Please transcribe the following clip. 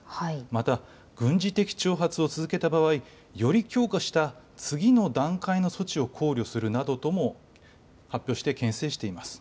また軍事的挑発を続けた場合、より強化した次の段階の措置を考慮するなどとも発表してけん制しています。